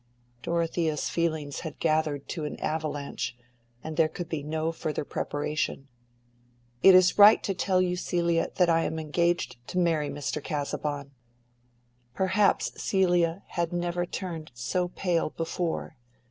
Dorothea's feelings had gathered to an avalanche, and there could be no further preparation. "It is right to tell you, Celia, that I am engaged to marry Mr. Casaubon." Perhaps Celia had never turned so pale before.